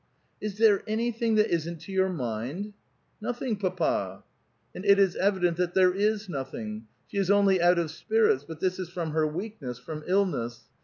*' Is there anything that isn't to your mind?" " Nothing, pnpa." And it is evident that there is nothing ; she is only out of spirits, but this is from her weakness, from illness.